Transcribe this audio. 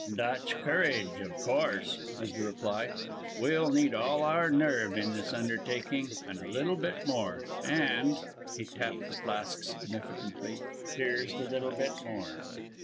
"Dutch courage, of course," was the reply. "We'll need all our nerve in this undertaking, and a little bit more, and," he tapped the flask significantly, "here's the little bit more."